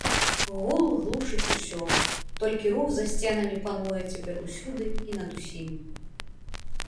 Гул глушыць усё, толькі рух за сценамі пануе цяпер усюды і над усім.